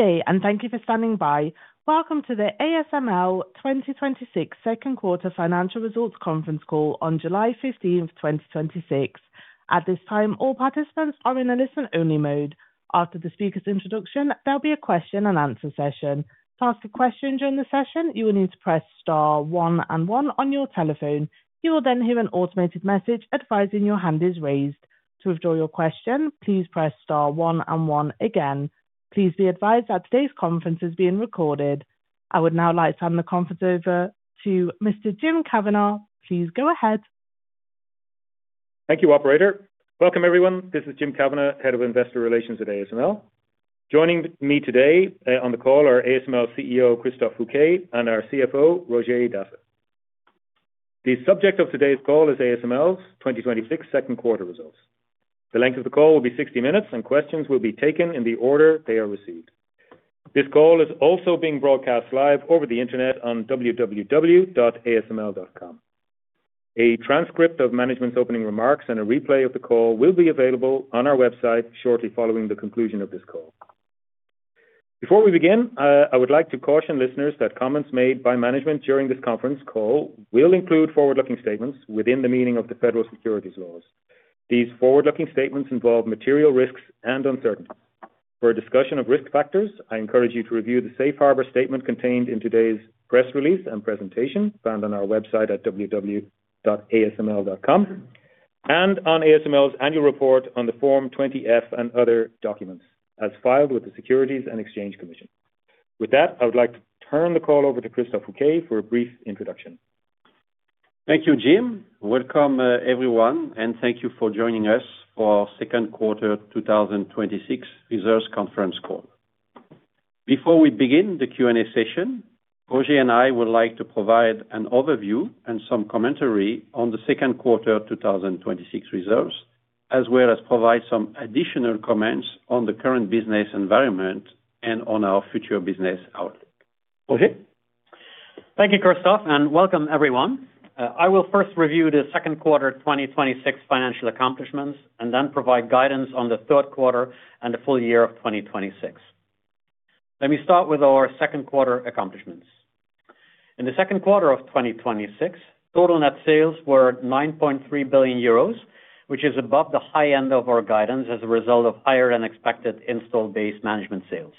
Good day. Thank you for standing by. Welcome to the ASML 2026 Second Quarter Financial Results Conference Call on July 15th, 2026. At this time, all participants are in a listen-only mode. After the speakers' introduction, there'll be a question and answer session. To ask a question during the session, you will need to press star one and one on your telephone. You will hear an automated message advising your hand is raised. To withdraw your question, please press star one and one again. Please be advised that today's conference is being recorded. I would now like to hand the conference over to Mr. Jim Kavanagh. Please go ahead. Thank you, operator. Welcome everyone. This is Jim Kavanagh, Head of Investor Relations at ASML. Joining me today on the call are ASML CEO, Christophe Fouquet, and our CFO, Roger Dassen. The subject of today's call is ASML's 2026 second quarter results. The length of the call will be 60 minutes. Questions will be taken in the order they are received. This call is also being broadcast live over the internet on www.asml.com. A transcript of management's opening remarks and a replay of the call will be available on our website shortly following the conclusion of this call. Before we begin, I would like to caution listeners that comments made by management during this conference call will include forward-looking statements within the meaning of the federal securities laws. These forward-looking statements involve material risks and uncertainties. For a discussion of risk factors, I encourage you to review the safe harbor statement contained in today's press release and presentation found on our website at www.asml.com, and on ASML's annual report on the Form 20-F and other documents as filed with the Securities and Exchange Commission. With that, I would like to turn the call over to Christophe Fouquet for a brief introduction. Thank you, Jim. Welcome everyone. Thank you for joining us for our second quarter 2026 results conference call. Before we begin the Q&A session, Roger and I would like to provide an overview and some commentary on the second quarter 2026 results, as well as provide some additional comments on the current business environment and on our future business outlook. Roger? Thank you, Christophe, and welcome everyone. I will first review the second quarter 2026 financial accomplishments and then provide guidance on the third quarter and the full year of 2026. Let me start with our second quarter accomplishments. In the second quarter of 2026, total net sales were 9.3 billion euros, which is above the high end of our guidance as a result of higher-than-expected Installed Base Management sales.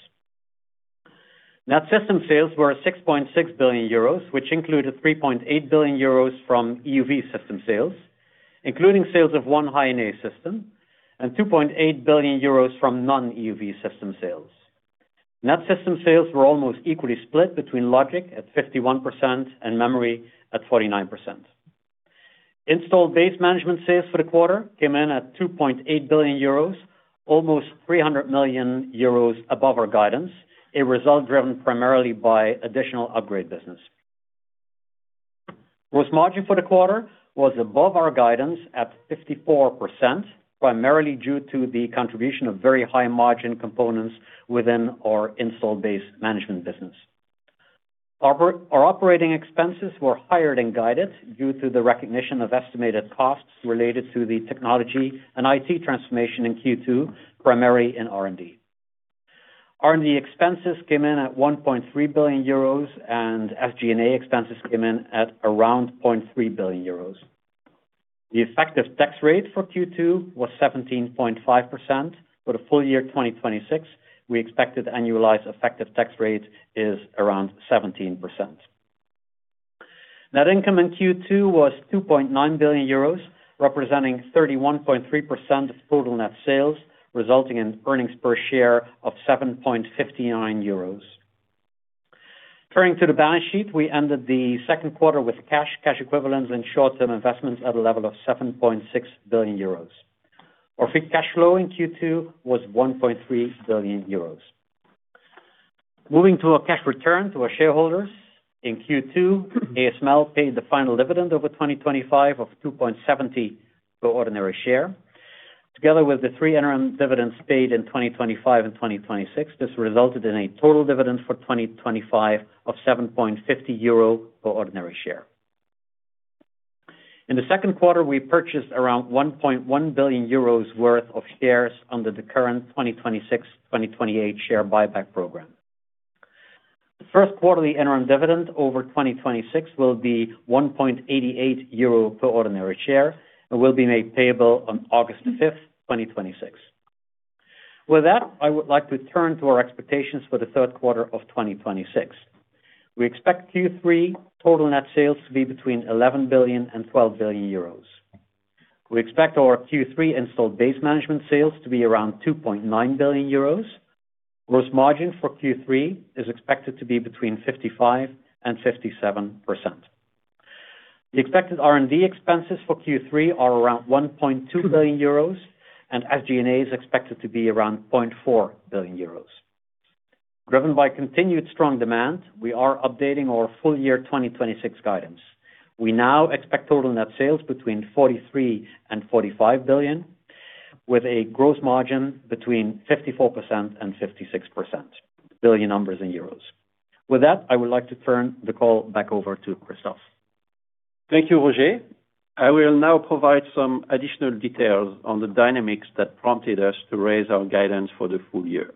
Net system sales were 6.6 billion euros, which included 3.8 billion euros from EUV system sales, including sales of one High-NA system, and 2.8 billion euros from non-EUV system sales. Net system sales were almost equally split between logic at 51% and memory at 49%. Installed Base Management sales for the quarter came in at 2.8 billion euros, almost 300 million euros above our guidance, a result driven primarily by additional upgrade business. Gross margin for the quarter was above our guidance at 54%, primarily due to the contribution of very high-margin components within our Installed Base Management business. Our operating expenses were higher than guided due to the recognition of estimated costs related to the technology and IT transformation in Q2, primarily in R&D. R&D expenses came in at 1.3 billion euros, and SG&A expenses came in at around 0.3 billion euros. The effective tax rate for Q2 was 17.5%. For the full year 2026, we expected annualized effective tax rate is around 17%. Net income in Q2 was 2.9 billion euros, representing 31.3% of total net sales, resulting in earnings per share of 7.59 euros. Turning to the balance sheet, we ended the second quarter with cash equivalents, and short-term investments at a level of 7.6 billion euros. Our free cash flow in Q2 was 1.3 billion euros. Moving to our cash return to our shareholders. In Q2, ASML paid the final dividend over 2025 of 2.70 per ordinary share. Together with the three interim dividends paid in 2025 and 2026, this resulted in a total dividend for 2025 of 7.50 euro per ordinary share. In the second quarter, we purchased around 1.1 billion euros worth of shares under the current 2026-2028 share buyback program. The first quarterly interim dividend over 2026 will be 1.88 euro per ordinary share and will be made payable on August the 5th, 2026. With that, I would like to turn to our expectations for the third quarter of 2026. We expect Q3 total net sales to be between 11 billion and 12 billion euros. We expect our Q3 Installed Base Management sales to be around 2.9 billion euros. Gross margin for Q3 is expected to be between 55% and 57%. The expected R&D expenses for Q3 are around 1.2 billion euros, and SG&A is expected to be around 0.4 billion euros. Driven by continued strong demand, we are updating our full year 2026 guidance. We now expect total net sales between 43 billion and 45 billion, with a gross margin between 54% and 56%. Billion number in euros. With that, I would like to turn the call back over to Christophe. Thank you, Roger. I will now provide some additional details on the dynamics that prompted us to raise our guidance for the full year.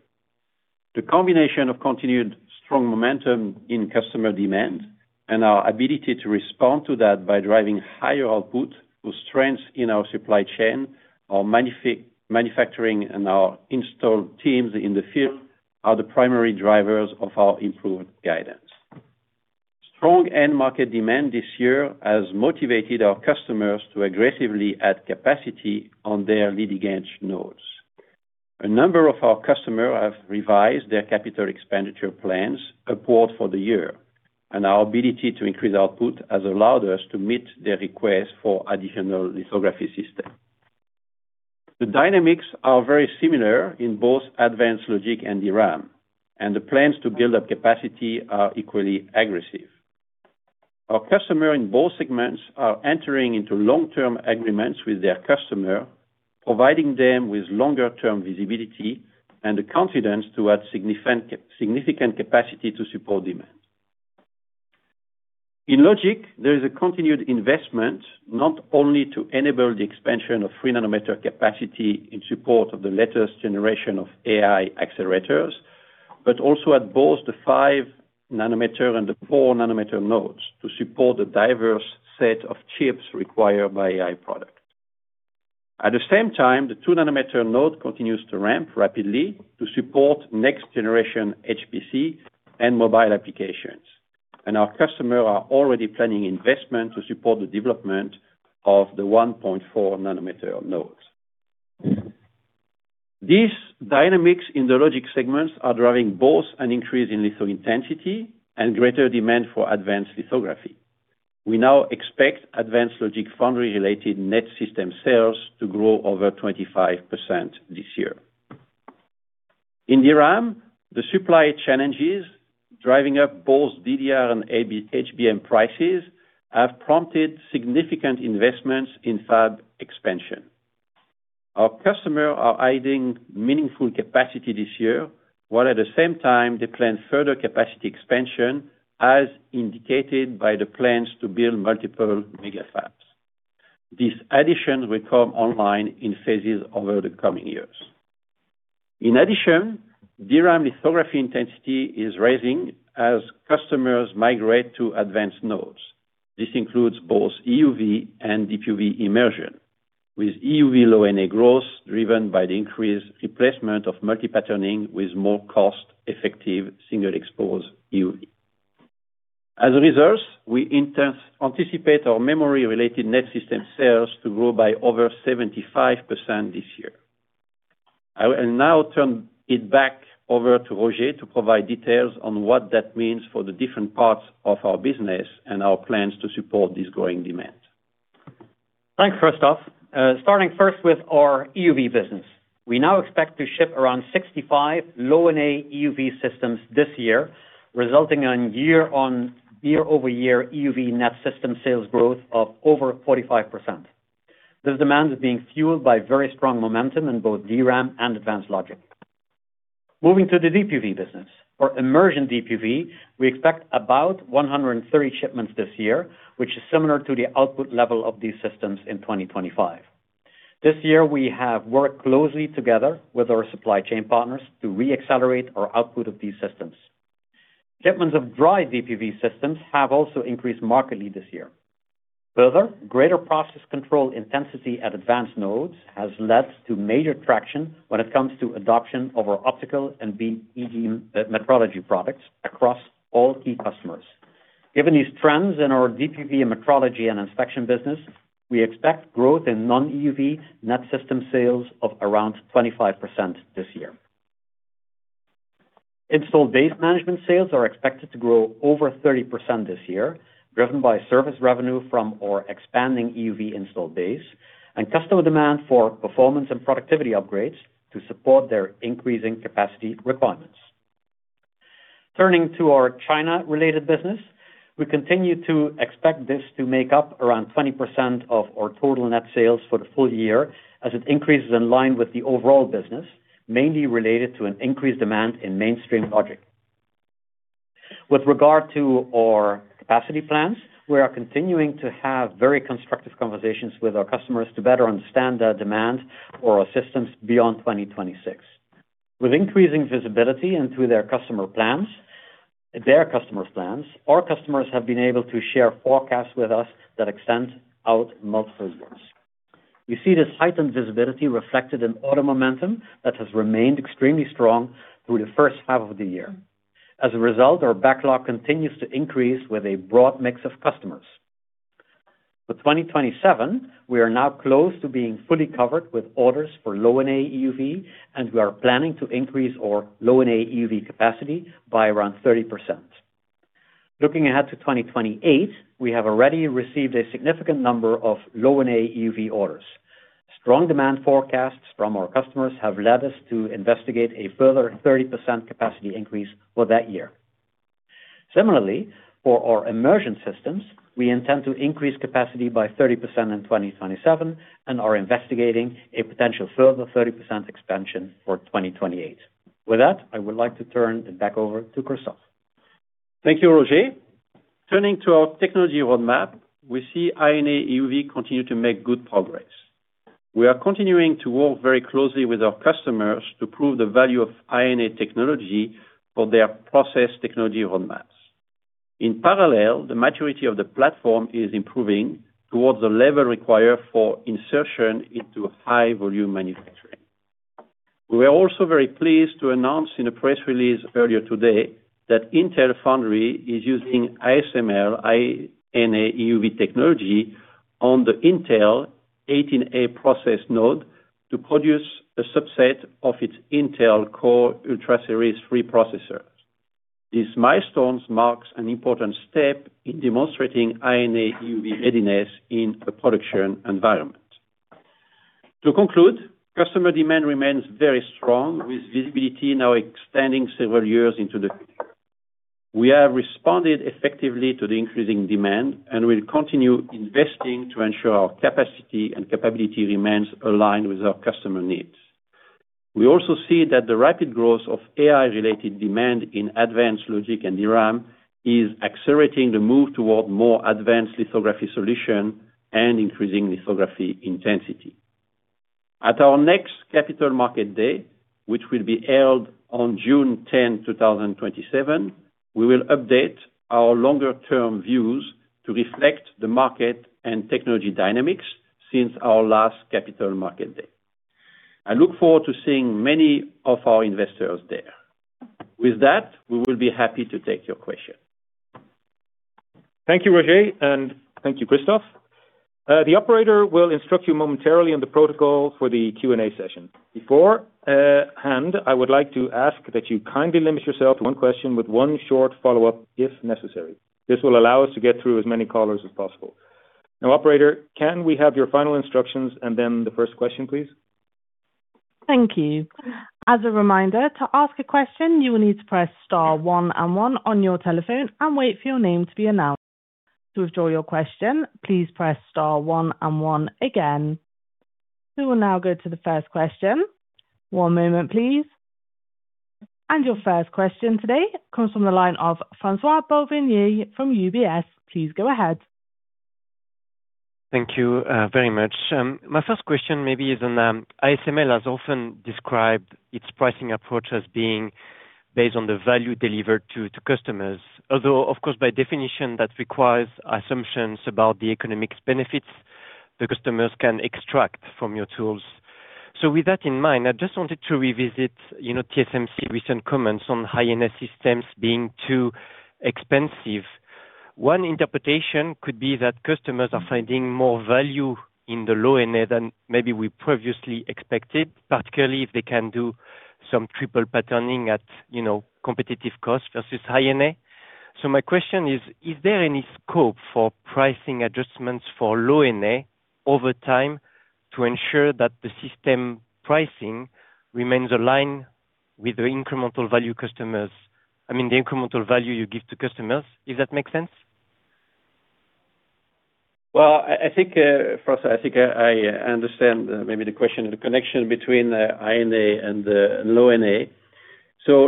The combination of continued strong momentum in customer demand and our ability to respond to that by driving higher output through strengths in our supply chain, our manufacturing, and our installed teams in the field are the primary drivers of our improved guidance. Strong end market demand this year has motivated our customers to aggressively add capacity on their leading-edge nodes. A number of our customers have revised their capital expenditure plans upward for the year, and our ability to increase output has allowed us to meet their request for additional lithography system. The dynamics are very similar in both advanced logic and DRAM, and the plans to build up capacity are equally aggressive. Our customers in both segments are entering into long-term agreements with their customer, providing them with longer term visibility and the confidence to add significant capacity to support demand. In logic, there is a continued investment, not only to enable the expansion of 3 nm capacity in support of the latest generation of AI accelerators, but also at both the 5 nm and the 4 nm nodes to support the diverse set of chips required by AI product. At the same time, the 2 nm node continues to ramp rapidly to support next generation HPC and mobile applications. Our customers are already planning investment to support the development of the 1.4 nm nodes. These dynamics in the logic segments are driving both an increase in litho intensity and greater demand for advanced lithography. We now expect advanced logic foundry-related net system sales to grow over 25% this year. In DRAM, the supply challenges driving up both DDR and HBM prices have prompted significant investments in fab expansion. Our customers are adding meaningful capacity this year, while at the same time they plan further capacity expansion, as indicated by the plans to build multiple mega fabs. These additions will come online in phases over the coming years. In addition, DRAM lithography intensity is rising as customers migrate to advanced nodes. This includes both EUV and DUV immersion, with EUV Low-NA growth driven by the increased replacement of multi-patterning with more cost-effective single expose EUV. As a result, we anticipate our memory-related net system sales to grow by over 75% this year. I will now turn it back over to Roger to provide details on what that means for the different parts of our business and our plans to support this growing demand. Thanks, Christophe. Starting first with our EUV business. We now expect to ship around 65 Low-NA EUV systems this year, resulting in year-over-year EUV net system sales growth of over 45%. This demand is being fueled by very strong momentum in both DRAM and advanced logic. Moving to the DUV business. For immersion DUV, we expect about 130 shipments this year, which is similar to the output level of these systems in 2025. This year, we have worked closely together with our supply chain partners to re-accelerate our output of these systems. Shipments of dry DUV systems have also increased markedly this year. Further, greater process control intensity at advanced nodes has led to major traction when it comes to adoption of our optical and metrology products across all key customers. Given these trends in our DUV and metrology and inspection business, we expect growth in non-EUV net system sales of around 25% this year. Installed Base Management sales are expected to grow over 30% this year, driven by service revenue from our expanding EUV installed base and customer demand for performance and productivity upgrades to support their increasing capacity requirements. Turning to our China-related business, we continue to expect this to make up around 20% of our total net sales for the full year, as it increases in line with the overall business, mainly related to an increased demand in mainstream logic. With regard to our capacity plans, we are continuing to have very constructive conversations with our customers to better understand their demand for our systems beyond 2026. With increasing visibility into their customers' plans, our customers have been able to share forecasts with us that extend out multiple years. We see this heightened visibility reflected in order momentum that has remained extremely strong through the first half of the year. As a result, our backlog continues to increase with a broad mix of customers. For 2027, we are now close to being fully covered with orders for Low-NA EUV, and we are planning to increase our Low-NA EUV capacity by around 30%. Looking ahead to 2028, we have already received a significant number of Low-NA EUV orders. Strong demand forecasts from our customers have led us to investigate a further 30% capacity increase for that year. Similarly, for our immersion systems, we intend to increase capacity by 30% in 2027 and are investigating a potential further 30% expansion for 2028. With that, I would like to turn it back over to Christophe. Thank you, Roger. Turning to our technology roadmap, we see High-NA EUV continue to make good progress. We are continuing to work very closely with our customers to prove the value of High-NA technology for their process technology roadmaps. In parallel, the maturity of the platform is improving towards the level required for insertion into high volume manufacturing. We are also very pleased to announce in a press release earlier today that Intel Foundry is using ASML High-NA EUV technology on the Intel 18A process node to produce a subset of its Intel Core Ultra Series 3 processors. These milestones marks an important step in demonstrating High-NA EUV readiness in a production environment. To conclude, customer demand remains very strong, with visibility now extending several years into the future. We have responded effectively to the increasing demand and will continue investing to ensure our capacity and capability remains aligned with our customer needs. We also see that the rapid growth of AI-related demand in advanced logic and DRAM is accelerating the move toward more advanced lithography solution and increasing lithography intensity. At our next Capital Markets Day, which will be held on June 10, 2027, we will update our longer-term views to reflect the market and technology dynamics since our last Capital Markets Day. I look forward to seeing many of our investors there. With that, we will be happy to take your question. Thank you, Roger, and thank you, Christophe. The operator will instruct you momentarily on the protocol for the Q&A session. Beforehand, I would like to ask that you kindly limit yourself to one question with one short follow-up if necessary. This will allow us to get through as many callers as possible. Operator, can we have your final instructions and then the first question, please? Thank you. As a reminder, to ask a question, you will need to press star one and one on your telephone and wait for your name to be announced. To withdraw your question, please press star one and one again. We will now go to the first question. One moment, please. Your first question today comes from the line of François Bouvignies from UBS. Please go ahead. Thank you very much. My first question maybe is on, ASML has often described its pricing approach as being based on the value delivered to customers. Of course, by definition, that requires assumptions about the economics benefits the customers can extract from your tools. With that in mind, I just wanted to revisit TSMC recent comments on High-NA systems being too expensive. One interpretation could be that customers are finding more value in the Low-NA than maybe we previously expected, particularly if they can do some triple patterning at competitive cost versus High-NA. My question is there any scope for pricing adjustments for Low-NA over time to ensure that the system pricing remains aligned with the incremental value you give to customers? If that makes sense. Well, François, I think I understand maybe the question, the connection between High-NA and Low-NA.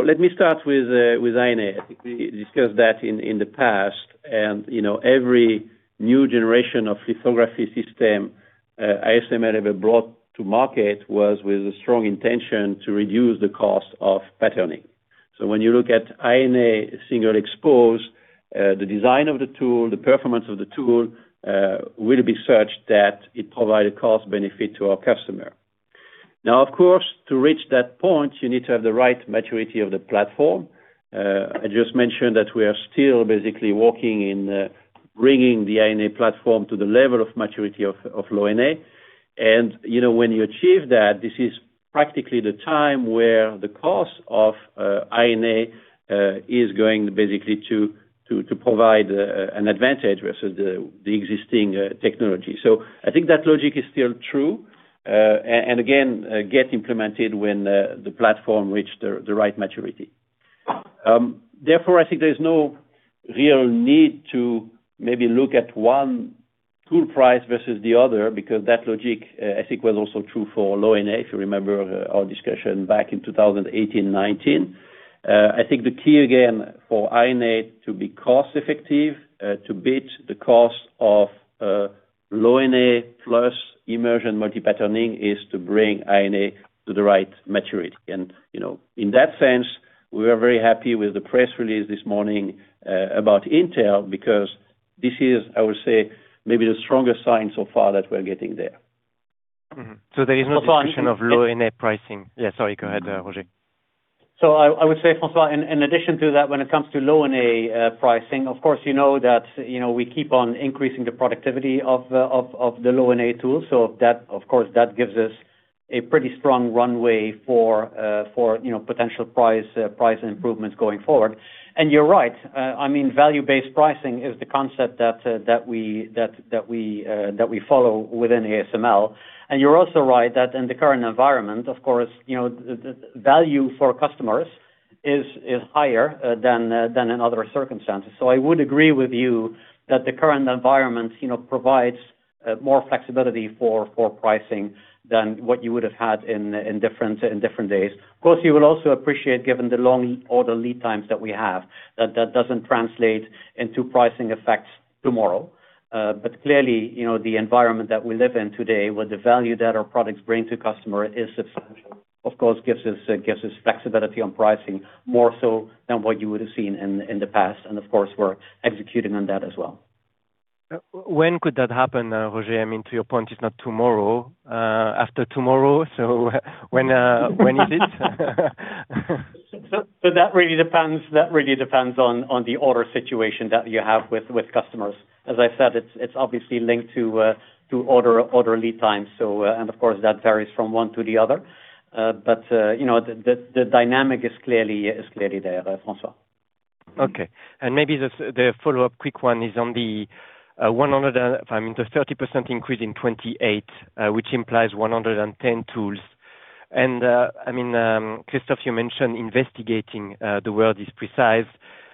Let me start with High-NA. I think we discussed that in the past, every new generation of lithography system ASML ever brought to market was with a strong intention to reduce the cost of patterning. When you look at High-NA single expose, the design of the tool, the performance of the tool will be such that it provide a cost benefit to our customer. Of course, to reach that point, you need to have the right maturity of the platform. I just mentioned that we are still basically working in bringing the High-NA platform to the level of maturity of Low-NA. When you achieve that, this is practically the time where the cost of High-NA is going basically to provide an advantage versus the existing technology. I think that logic is still true, and again, gets implemented when the platform reached the right maturity. Therefore, I think there's no real need to maybe look at one tool price versus the other, because that logic, I think, was also true for Low-NA, if you remember our discussion back in 2018 and 2019. I think the key, again, for High-NA to be cost effective, to beat the cost of Low-NA plus immersion multi-patterning is to bring High-NA to the right maturity. In that sense, we are very happy with the press release this morning about Intel, because this is, I would say, maybe the strongest sign so far that we're getting there. There is no question of Low-NA pricing. Yeah, sorry, go ahead, Roger. I would say, François, in addition to that, when it comes to Low-NA pricing, of course, you know that we keep on increasing the productivity of the Low-NA tool. Of course, that gives us a pretty strong runway for potential price improvements going forward. You're right. Value-based pricing is the concept that we follow within ASML. You're also right that in the current environment, of course, the value for customers is higher than in other circumstances. I would agree with you that the current environment provides more flexibility for pricing than what you would have had in different days. Of course, you will also appreciate, given the long order lead times that we have, that that doesn't translate into pricing effects tomorrow. Clearly, the environment that we live in today, with the value that our products bring to customer, is substantial. Of course, gives us flexibility on pricing, more so than what you would have seen in the past. Of course, we're executing on that as well. When could that happen, Roger? I mean, to your point, it's not tomorrow. After tomorrow? When is it? That really depends on the order situation that you have with customers. As I said, it's obviously linked to order lead time. Of course, that varies from one to the other. The dynamic is clearly there, François. Okay. Maybe the follow-up quick one is on the 30% increase in 2028, which implies 110 tools. Christophe, you mentioned investigating the word is precise.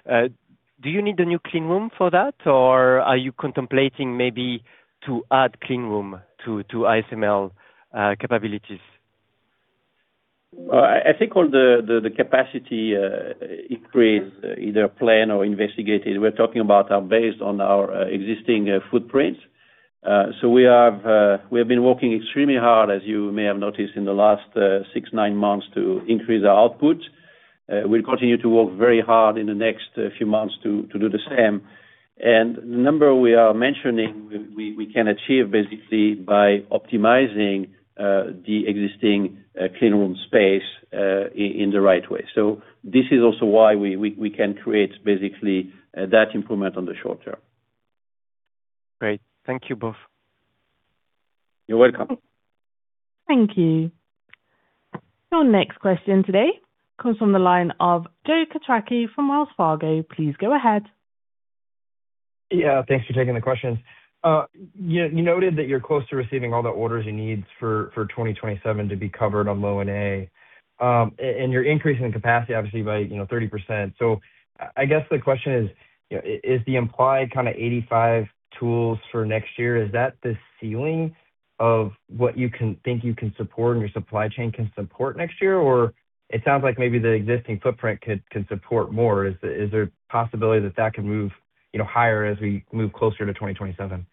Do you need a new clean room for that, or are you contemplating maybe to add clean room to ASML capabilities? I think all the capacity increase, either planned or investigated, we're talking about are based on our existing footprint. We have been working extremely hard, as you may have noticed, in the last six, nine months to increase our output. We'll continue to work very hard in the next few months to do the same. The number we are mentioning, we can achieve basically by optimizing the existing clean room space in the right way. This is also why we can create basically that improvement on the short term. Great. Thank you both. You're welcome. Thank you. Your next question today comes from the line of Joe Quatrochi from Wells Fargo. Please go ahead. Thanks for taking the questions. You noted that you're close to receiving all the orders you need for 2027 to be covered on Low-NA, and you're increasing the capacity, obviously by 30%. I guess the question is the implied kind of 85 tools for next year, is that the ceiling of what you think you can support and your supply chain can support next year? It sounds like maybe the existing footprint could support more. Is there a possibility that that could move higher as we move closer to 2027?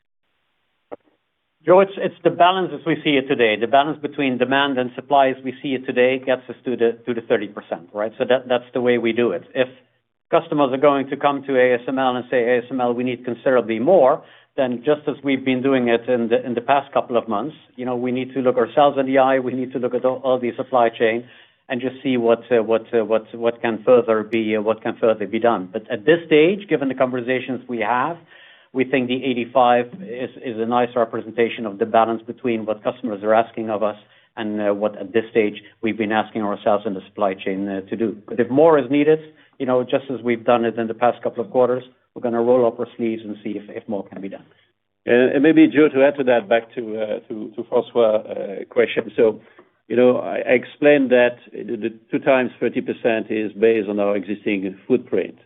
Joe, it's the balance as we see it today. The balance between demand and supply as we see it today gets us to the 30%, right? That's the way we do it. If customers are going to come to ASML and say, "ASML, we need considerably more," then just as we've been doing it in the past couple of months, we need to look ourselves in the eye, we need to look at all the supply chain and just see what can further be done. At this stage, given the conversations we have, we think the 85 is a nice representation of the balance between what customers are asking of us and what at this stage we've been asking ourselves in the supply chain to do. If more is needed, just as we've done it in the past couple of quarters, we're going to roll up our sleeves and see if more can be done. Maybe, Joe, to add to that, back to François' question. I explained that the two times 30% is based on our existing footprint.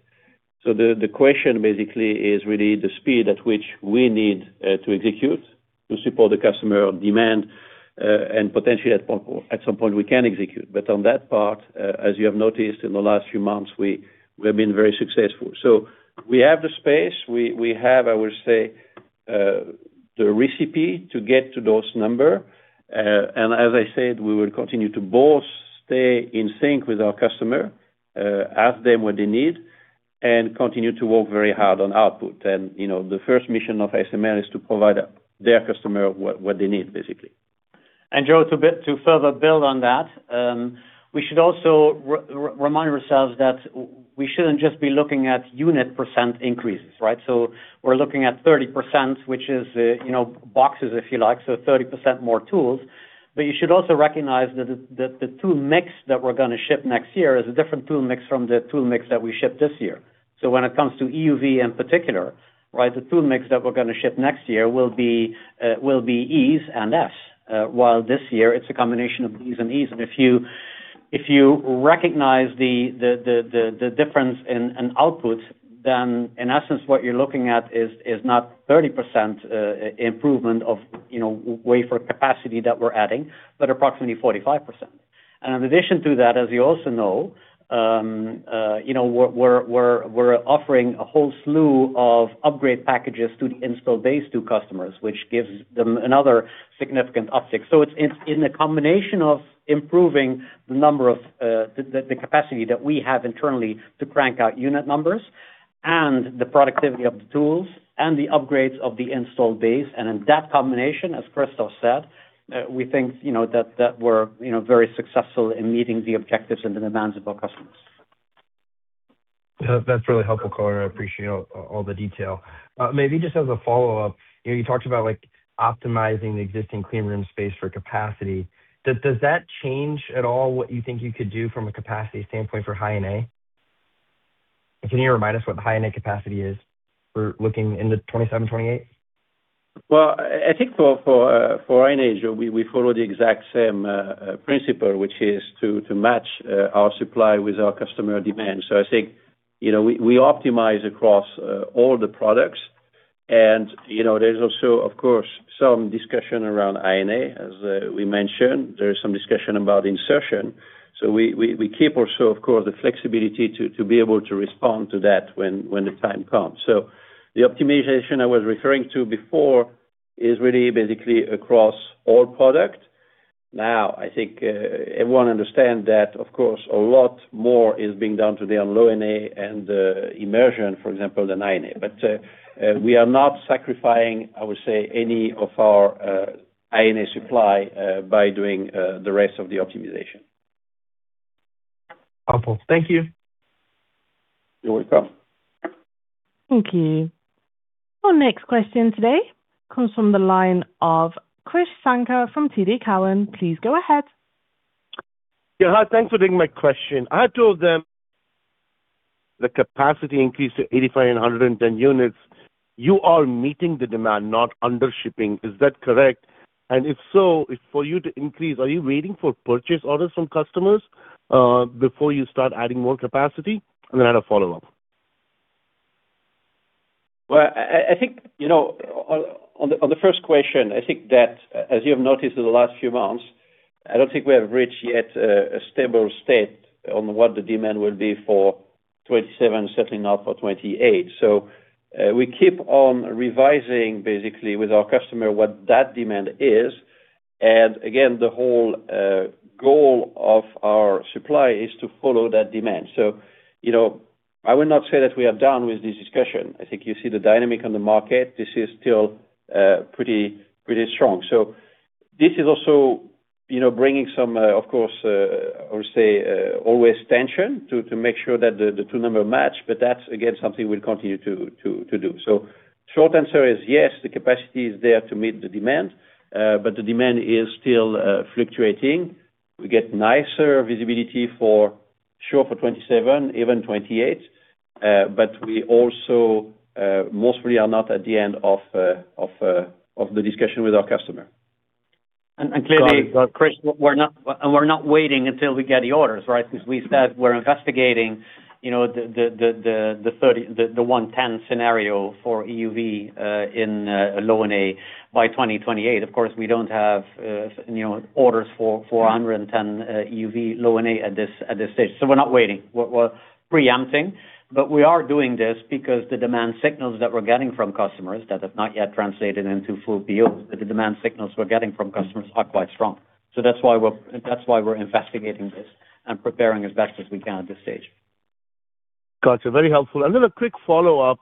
The question basically is really the speed at which we need to execute to support the customer demand, and potentially at some point we can execute. On that part, as you have noticed in the last few months, we have been very successful. We have the space, we have, I would say, the recipe to get to those number. As I said, we will continue to both stay in sync with our customer, ask them what they need, and continue to work very hard on output. The first mission of ASML is to provide their customer what they need, basically. Joe, to further build on that, we should also remind ourselves that we shouldn't just be looking at unit percent increases, right? We're looking at 30%, which is boxes, if you like, 30% more tools. You should also recognize that the tool mix that we're going to ship next year is a different tool mix from the tool mix that we shipped this year. When it comes to EUV in particular, the tool mix that we're going to ship next year will be Es and Fs. While this year it's a combination of Bs and Es. If you recognize the difference in output, then in essence what you're looking at is not 30% improvement of wafer capacity that we're adding, but approximately 45%. In addition to that, as you also know, we're offering a whole slew of upgrade packages to the install base to customers, which gives them another significant uptick. It's in the combination of improving the capacity that we have internally to crank out unit numbers and the productivity of the tools, and the upgrades of the install base. In that combination, as Christophe said, we think that we're very successful in meeting the objectives and the demands of our customers. That's really helpful, color. I appreciate all the detail. Maybe just as a follow-up, you talked about optimizing the existing clean room space for capacity. Does that change at all what you think you could do from a capacity standpoint for High-NA? Can you remind us what the High-NA capacity is for looking into 2027, 2028? I think for High-NA, we follow the exact same principle, which is to match our supply with our customer demand. I think, we optimize across all the product. There's also, of course, some discussion around High-NA, as we mentioned. There is some discussion about insertion. We keep also, of course, the flexibility to be able to respond to that when the time comes. The optimization I was referring to before is really basically across all product. I think everyone understand that, of course, a lot more is being done today on Low-NA and the immersion, for example, than High-NA. We are not sacrificing, I would say, any of our High-NA supply by doing the rest of the optimization. Awesome. Thank you. You're welcome. Thank you. Our next question today comes from the line of Krish Sankar from TD Cowen. Please go ahead. Yeah, hi. Thanks for taking my question. I told them the capacity increase to 85 and 110 units. You are meeting the demand, not under shipping. Is that correct? If so, for you to increase, are you waiting for purchase orders from customers, before you start adding more capacity? I have a follow-up. Well, on the first question, I think that, as you have noticed in the last few months, I don't think we have reached yet a stable state on what the demand will be for 2027, certainly not for 2028. We keep on revising basically with our customer what that demand is. Again, the whole goal of our supply is to follow that demand. I will not say that we are done with this discussion. I think you see the dynamic on the market. This is still pretty strong. This is also bringing some, of course, I would say, always tension to make sure that the two numbers match, but that's again, something we'll continue to do. Short answer is, yes, the capacity is there to meet the demand, but the demand is still fluctuating. We get nicer visibility for sure for 2027, even 2028. We also, mostly are not at the end of the discussion with our customer. Clearly, Krish, we're not waiting until we get the orders, right? We said we're investigating the 110 scenario for EUV in Low-NA by 2028. Of course, we don't have orders for 110 EUV Low-NA at this stage. We're not waiting. We're preempting, but we are doing this because the demand signals that we're getting from customers that have not yet translated into full POs, but the demand signals we're getting from customers are quite strong. That's why we're investigating this and preparing as best as we can at this stage. Got you. Very helpful. A quick follow-up.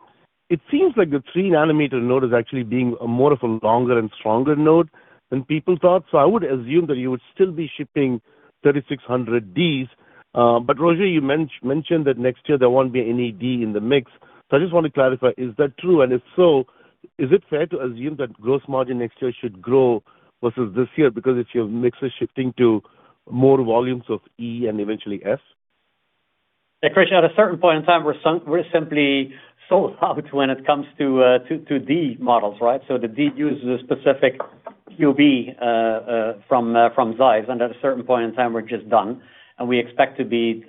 It seems like the 3 nm node is actually being a more of a longer and stronger node than people thought. I would assume that you would still be shipping 3600D. Roger, you mentioned that next year there won't be any D in the mix. I just want to clarify, is that true? If so, is it fair to assume that gross margin next year should grow versus this year because if your mix is shifting to more volumes of E and eventually F? Krish, at a certain point in time, we're simply sold out when it comes to D models, right? The D uses a specific QB from ZEISS, and at a certain point in time, we're just done, and we expect to be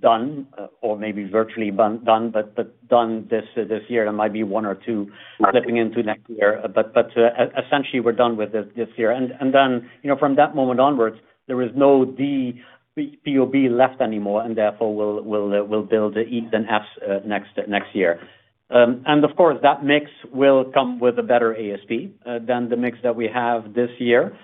done or maybe virtually done, but done this year. There might be one or two slipping into next year. Essentially, we're done with it this year. Then, from that moment onwards, there is no D POB left anymore, therefore we'll build E and Fs next year. Of course, that mix will come with a better ASP than the mix that we have this year,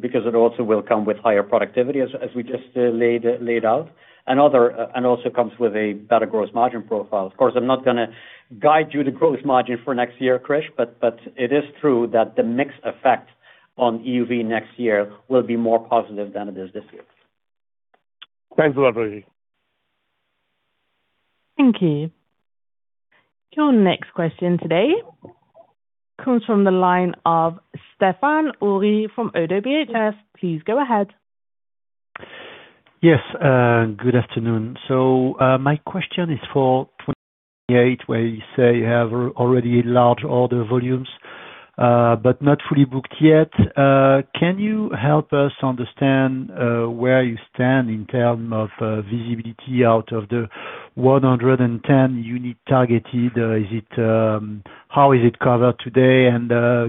because it also will come with higher productivity as we just laid out, and also comes with a better gross margin profile. Of course, I'm not going to guide you the gross margin for next year, Krish, but it is true that the mix effect on EUV next year will be more positive than it is this year. Thanks a lot, Roger. Thank you. Your next question today comes from the line of Stéphane Houri from ODDO BHF. Please go ahead. Yes, good afternoon. My question is for 2028, where you say you have already large order volumes, but not fully booked yet. Can you help us understand where you stand in terms of visibility out of the 110 units targeted? How is it covered today?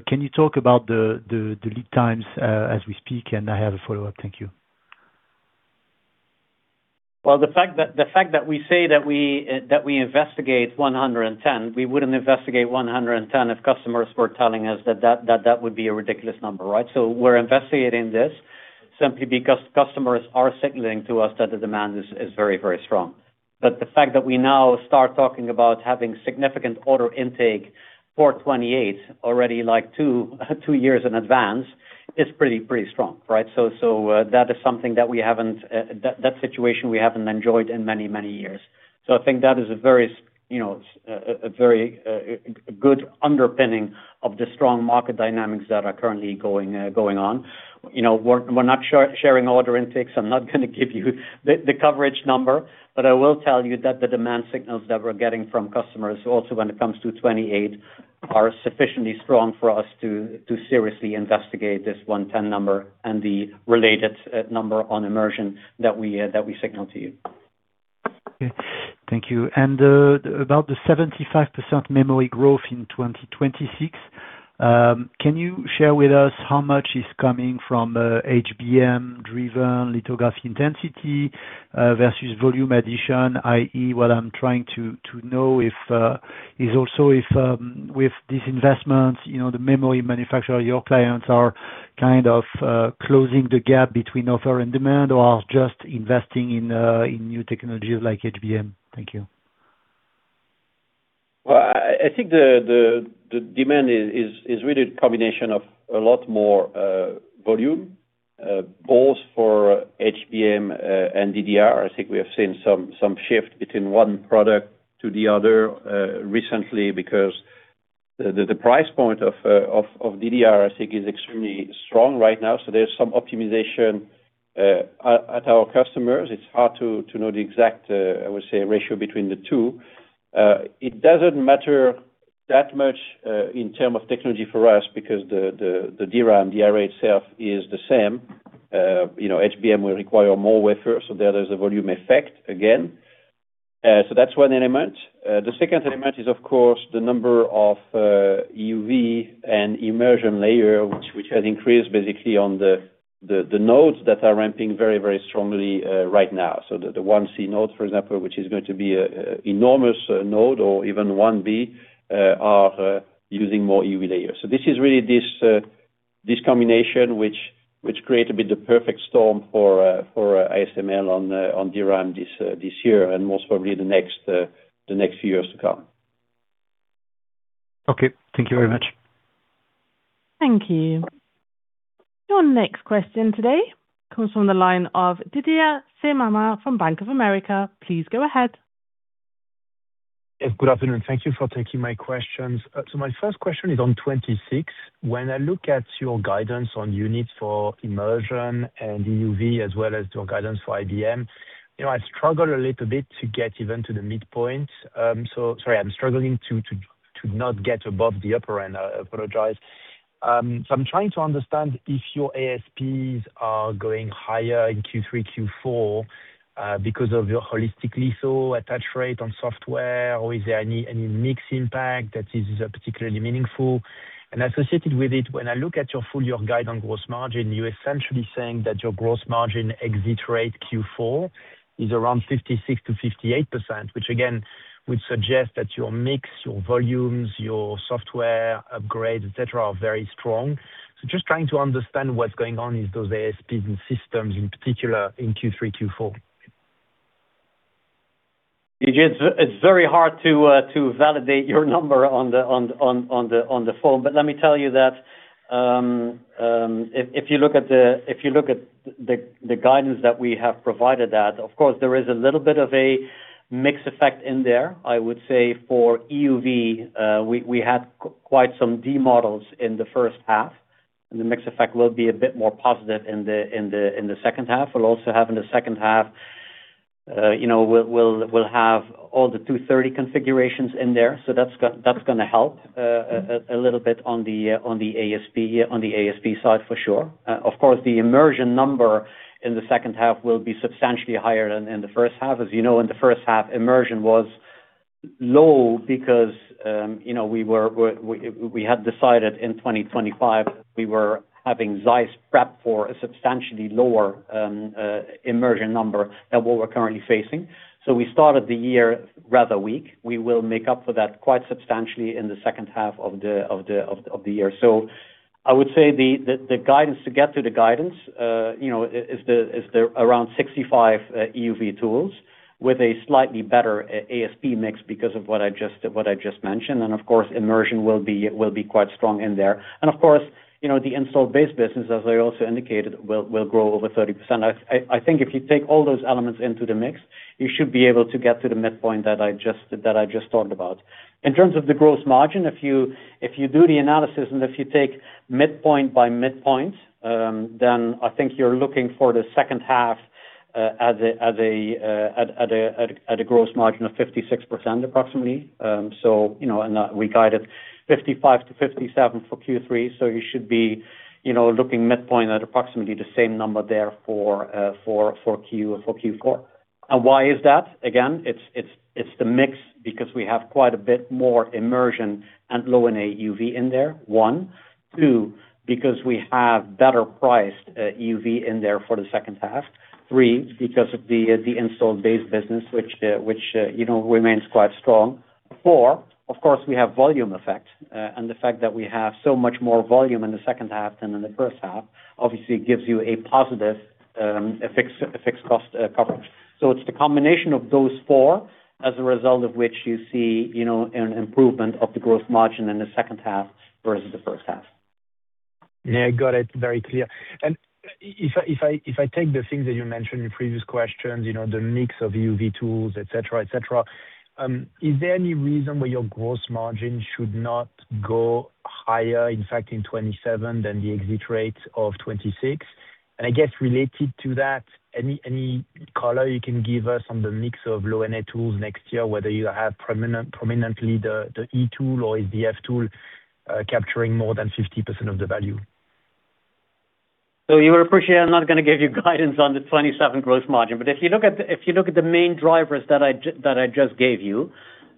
Can you talk about the lead times as we speak? I have a follow-up. Thank you. Well, the fact that we say that we investigate 110, we wouldn't investigate 110 if customers were telling us that that would be a ridiculous number, right? We're investigating this simply because customers are signaling to us that the demand is very strong. The fact that we now start talking about having significant order intake for 2028 already like two years in advance is pretty strong, right? That is something that we haven't, that situation we haven't enjoyed in many years. I think that is a very--a very good underpinning of the strong market dynamics that are currently going on. We're not sharing order intakes. I'm not going to give you the coverage number, but I will tell you that the demand signals that we're getting from customers also when it comes to 2028 are sufficiently strong for us to seriously investigate this 110 number and the related number on immersion that we signal to you. Okay. Thank you. About the 75% memory growth in 2026, can you share with us how much is coming from HBM-driven lithography intensity versus volume addition, i.e., what I'm trying to know is also if with these investments, the memory manufacturer, your clients, are kind of closing the gap between offer and demand or are just investing in new technologies like HBM? Thank you. Well, I think the demand is really a combination of a lot more volume, both for HBM and DDR. I think we have seen some shift between one product to the other recently because the price point of DDR, I think, is extremely strong right now. There's some optimization at our customers. It's hard to know the exact, I would say, ratio between the two. It doesn't matter that much in terms of technology for us because the DRAM, the RA itself is the same. HBM will require more wafer, there's a volume effect again. That's one element. The second element is, of course, the number of EUV and immersion layer, which has increased basically on the nodes that are ramping very strongly right now. The 1c nodes, for example, which is going to be enormous node or even 1b, are using more EUV layers. This is really this combination which create a bit the perfect storm for ASML on DRAM this year and most probably the next few years to come. Okay. Thank you very much. Thank you. Your next question today comes from the line of Didier Scemama from Bank of America. Please go ahead. Yes. Good afternoon. Thank you for taking my questions. My first question is on 2026. When I look at your guidance on units for immersion and EUV, as well as your guidance for IBM, I struggle a little bit to get even to the midpoint. Sorry, I'm struggling to not get above the upper end. I apologize. I'm trying to understand if your ASPs are going higher in Q3, Q4, because of your Holistic Lithography attach rate on software, or is there any mix impact that is particularly meaningful? Associated with it, when I look at your full-year guide on gross margin, you're essentially saying that your gross margin exit rate Q4 is around 56%-58%, which again would suggest that your mix, your volumes, your software upgrades, et cetera, are very strong. Just trying to understand what's going on in those ASPs and systems in particular in Q3, Q4. Didier, it's very hard to validate your number on the phone. Let me tell you that, if you look at the guidance that we have provided, of course there is a little bit of a mix effect in there. I would say for EUV, we had quite some D models in the first half, and the mix effect will be a bit more positive in the second half. We'll also have in the second half all the 230 configurations in there. That's going to help a little bit on the ASP side for sure. Of course, the immersion number in the second half will be substantially higher than in the first half. As you know, in the first half, immersion was low because we had decided in 2025 we were having ZEISS prep for a substantially lower immersion number than what we're currently facing. We started the year rather weak. We will make up for that quite substantially in the second half of the year. I would say the guidance to get to the guidance is the around 65 EUV tools with a slightly better ASP mix because of what I just mentioned. Of course, immersion will be quite strong in there. Of course, the installed base business, as I also indicated, will grow over 30%. I think if you take all those elements into the mix, you should be able to get to the midpoint that I just talked about. In terms of the gross margin, if you do the analysis and if you take midpoint by midpoint, I think you're looking for the second half at a gross margin of 56% approximately. We guided 55% to 57% for Q3, you should be looking midpoint at approximately the same number there for Q4. Why is that? Again, it's the mix because we have quite a bit more immersion and Low-NA EUV in there, one. Two, because we have better priced EUV in there for the second half. Three, because of the installed base business, which remains quite strong. Four, of course, we have volume effect, and the fact that we have so much more volume in the second half than in the first half obviously gives you a positive fixed cost coverage. It's the combination of those four as a result of which you see an improvement of the gross margin in the second half versus the first half. Yeah, got it. Very clear. If I take the things that you mentioned in previous questions, the mix of EUV tools, et cetera. Is there any reason why your gross margin should not go higher, in fact, in 2027 than the exit rate of 2026? I guess related to that, any color you can give us on the mix of Low-NA tools next year, whether you have prominently the E tool or is the F tool capturing more than 50% of the value? You would appreciate I'm not going to give you guidance on the 2027 gross margin. If you look at the main drivers that I just gave you,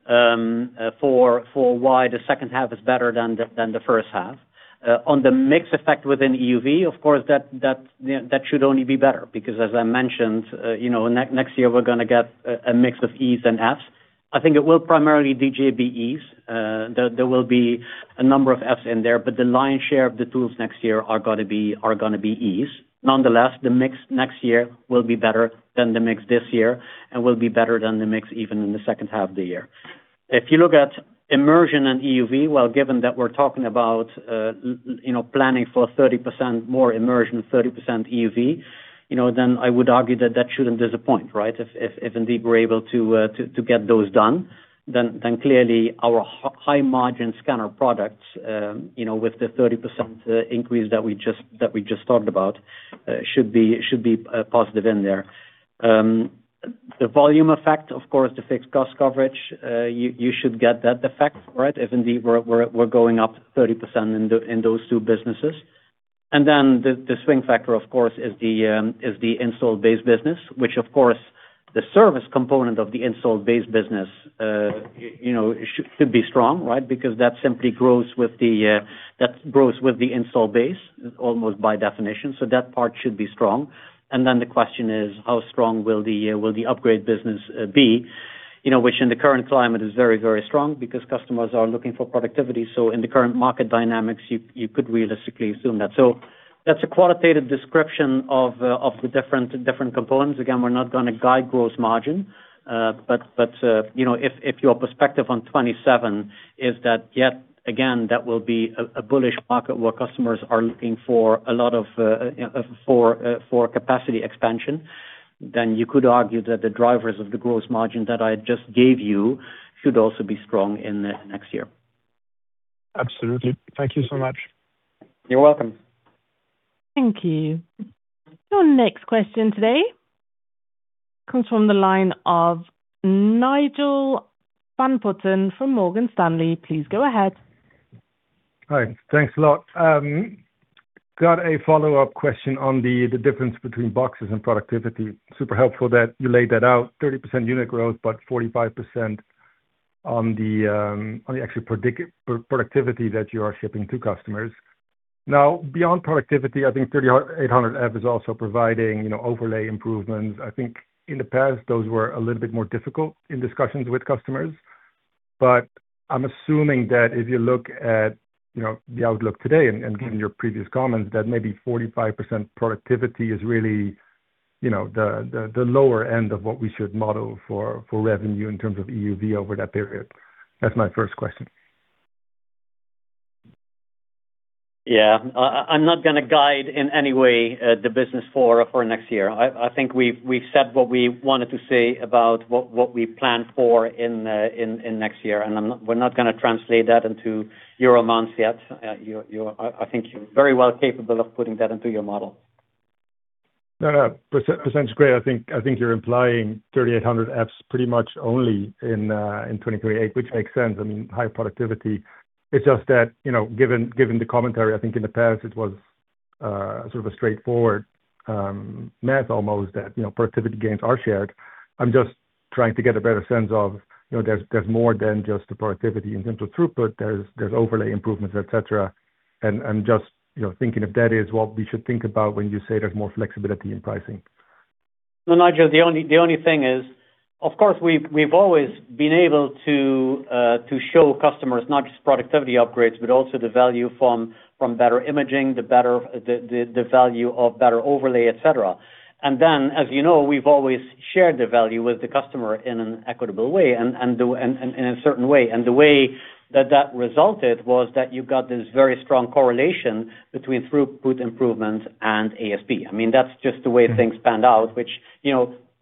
for why the second half is better than the first half. On the mix effect within EUV, of course, that should only be better because as I mentioned, next year we're going to get a mix of E and Fs. I think it will primarily be There will be a number of Fs in there, but the lion's share of the tools next year are going to be Es. Nonetheless, the mix next year will be better than the mix this year, and will be better than the mix even in the second half of the year. If you look at immersion and EUV, well, given that we're talking about planning for 30% more immersion, 30% EUV, I would argue that that shouldn't disappoint, right? If indeed we're able to get those done, then clearly our high-margin scanner products, with the 30% increase that we just talked about, should be positive in there. The volume effect, of course, the fixed cost coverage, you should get that effect, right? If indeed we're going up 30% in those two businesses. The swing factor, of course, is the installed base business, which of course, the service component of the installed base business should be strong, right? Because that simply grows with the installed base, almost by definition. That part should be strong. The question is, how strong will the upgrade business be? Which in the current climate is very strong because customers are looking for productivity. In the current market dynamics, you could realistically assume that. That's a qualitative description of the different components. Again, we're not going to guide gross margin. If your perspective on 2027 is that yet again, that will be a bullish market where customers are looking for capacity expansion, you could argue that the drivers of the gross margin that I just gave you should also be strong in the next year. Absolutely. Thank you so much. You're welcome. Thank you. Your next question today comes from the line of Nigel van Putten from Morgan Stanley. Please go ahead. Hi. Thanks a lot. Got a follow-up question on the difference between boxes and productivity. Super helpful that you laid that out, 30% unit growth, but 45% on the actual productivity that you are shipping to customers. Beyond productivity, I think 3800F is also providing overlay improvements. I think in the past, those were a little bit more difficult in discussions with customers. I'm assuming that if you look at the outlook today and given your previous comments, that maybe 45% productivity is really the lower end of what we should model for revenue in terms of EUV over that period. That's my first question. Yeah. I'm not going to guide in any way the business for next year. I think we've said what we wanted to say about what we plan for in next year, we're not going to translate that into euro amounts yet. I think you're very well capable of putting that into your model. No. Percent is great. I think you're implying 3800Fs pretty much only in 2028, which makes sense. I mean, high productivity. It's just that, given the commentary, I think in the past it was sort of a straightforward math almost that productivity gains are shared. I'm just trying to get a better sense of, there's more than just the productivity in simple throughput. There's overlay improvements, et cetera. I'm just thinking if that is what we should think about when you say there's more flexibility in pricing. No, Nigel, the only thing is, of course, we've always been able to show customers not just productivity upgrades, but also the value from better imaging, the value of better overlay, et cetera. As you know, we've always shared the value with the customer in an equitable way and in a certain way. The way that that resulted was that you got this very strong correlation between throughput improvements and ASP. That's just the way things panned out, which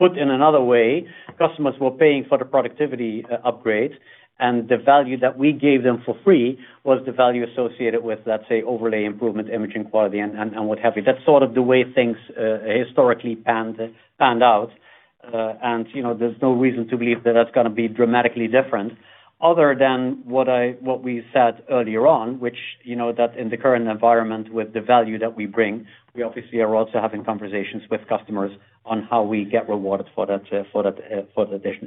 put in another way, customers were paying for the productivity upgrade, and the value that we gave them for free was the value associated with, let's say, overlay improvement, imaging quality, and what have you. That's sort of the way things historically panned out. There's no reason to believe that that's going to be dramatically different other than what we said earlier on, which, that in the current environment, with the value that we bring, we obviously are also having conversations with customers on how we get rewarded for that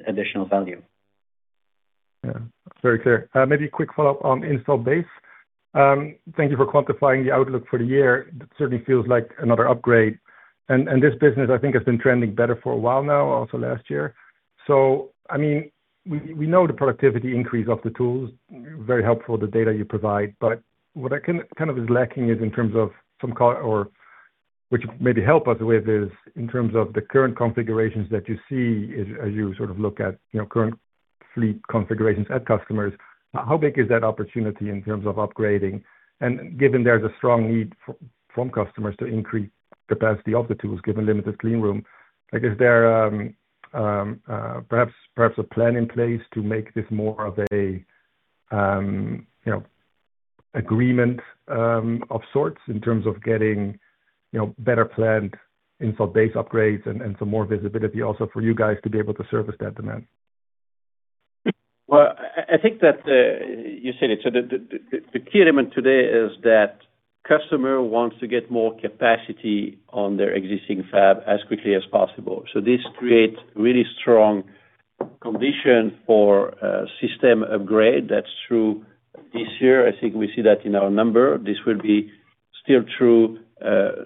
additional value. Very clear. Maybe a quick follow-up on install base. Thank you for quantifying the outlook for the year. That certainly feels like another upgrade. This business, I think, has been trending better for a while now, also last year. We know the productivity increase of the tools, very helpful the data you provide, but maybe help us with is in terms of the current configurations that you see as you look at current fleet configurations at customers, how big is that opportunity in terms of upgrading? Given there's a strong need from customers to increase capacity of the tools, given limited clean room. Is there perhaps a plan in place to make this more of a agreement of sorts in terms of getting better planned install base upgrades and some more visibility also for you guys to be able to service that demand? I think that you said it. The key element today is that customer wants to get more capacity on their existing fab as quickly as possible. This creates really strong condition for system upgrade. That's true this year. I think we see that in our number. This will be still true